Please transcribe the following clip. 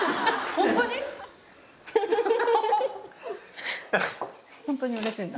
ホントにうれしいんだ。